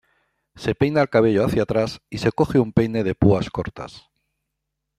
Se peina el cabello hacia atrás y se coge un peine de púas cortas.